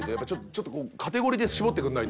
ちょっとこうカテゴリーで絞ってくれないと。